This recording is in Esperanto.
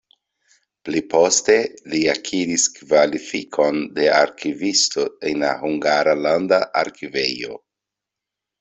Pli poste li akiris kvalifikon de arkivisto en la Hungara Landa Arkivejo.